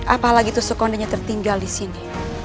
apalagi tusuk kondinya tertinggal di sini